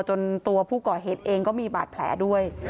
ตัวผู้ก่อเหตุเองก็มีบาดแผลด้วย